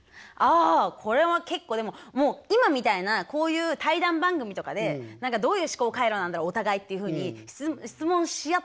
あこれは結構でももう今みたいなこういう対談番組とかで何かどういう思考回路なんだろうお互いっていうふうに質問し合ってる時に結構出るかもしんない。